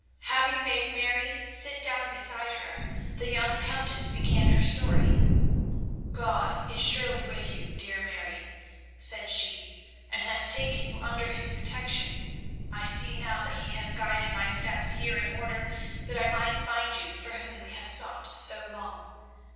Having made Mary sit down beside her, the young Countess began her story. "God is surely with you, dear Mary," said she, "and has taken you under His protection. I see now that He has guided my steps here in order that I might find you for whom we have sought so long.